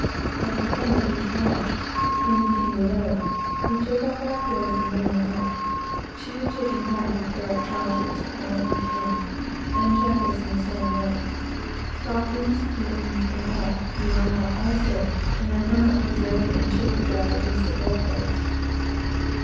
At the end of each watch, when we came below, we took off our clothes and wrung them out; two taking hold of a pair of trowsers, one at each end, and jackets in the same way. Stockings, mittens, and all, were wrung out also and then hung up to drain and chafe dry against the bulk heads.